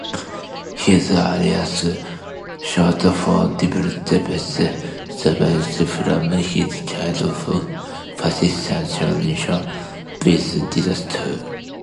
His alias, short for "Diplodocus", derives from his childhood fascination with dinosaurs.